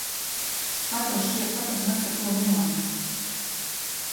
Kā tev šķiet, kāpēc mēs par to runājam?